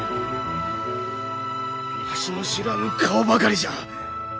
わしの知らぬ顔ばかりじゃ！